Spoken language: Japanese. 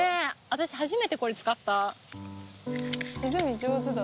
私初めてこれ使った泉上手だ。